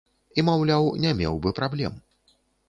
І, маўляў, не меў бы праблем.